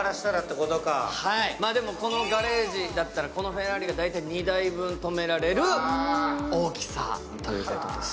でも、このガレージだったら、フェラーリが２台分止められる大きさということです。